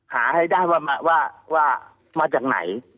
หาให้ได้ว่ามาจากไหน